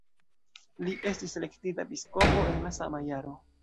Li estis elektita episkopo en la sama jaro.